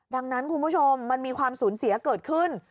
ดังนั้นคุณผู้ชมมันมีความสูญเสียเกิดขึ้น